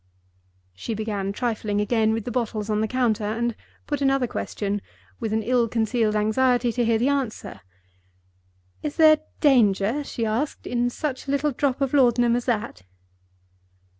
She began trifling again with the bottles on the counter, and put another question, with an ill concealed anxiety to hear the answer. "Is there danger," she asked, "in such a little drop of Laudanum as that?"